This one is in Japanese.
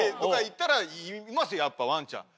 やっぱワンちゃん。